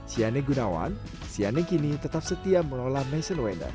siany gunawan siany kini tetap setia mengelola maison weiner